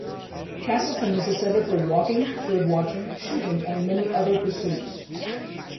Castleton is a centre for walking, birdwatching, shooting and many other pursuits.